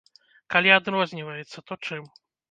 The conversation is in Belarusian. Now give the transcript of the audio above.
Калі адрозніваецца, то чым?